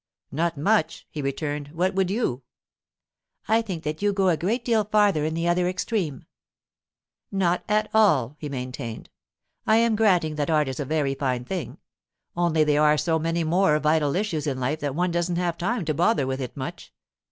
'Not much,' he returned; 'what would you?' 'I think that you go a great deal farther in the other extreme!' 'Not at all,' he maintained. 'I am granting that art is a very fine thing; only there are so many more vital issues in life that one doesn't have time to bother with it much.